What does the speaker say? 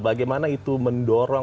bagaimana itu mendorong